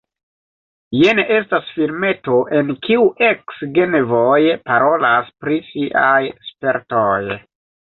Jen estas filmeto, en kiu eks-genevoj parolas pri siaj spertoj.